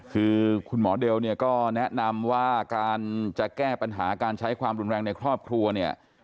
คือคุณหมอเดลเนี่ยก็แนะนำว่าการจะแก้ปัญหาการใช้ความรุนแรงในครอบครัวเนี่ย